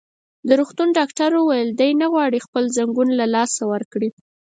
د روغتون ډاکټر وویل: دی نه غواړي خپل ځنګون له لاسه ورکړي.